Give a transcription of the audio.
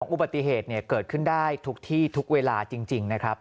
อุบัติเหตุเกิดขึ้นได้ทุกที่ทุกเวลาจริงนะครับ